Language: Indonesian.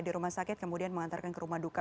di rumah sakit kemudian mengantarkan ke rumah duka